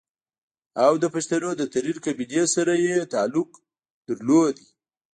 او دَپښتنو دَ ترين قبيلې سره ئې تعلق لرلو